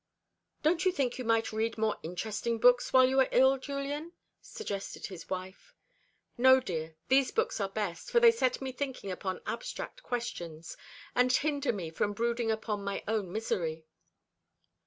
"Don't you think you might read more interesting books while you are ill, Julian?" suggested his wife. "No, dear. These books are best, for they set me thinking upon abstract questions, and hinder me from brooding upon my own misery."